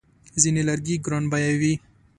ځینې لرګي ګرانبیه وي.